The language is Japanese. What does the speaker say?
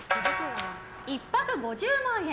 １泊５０万円！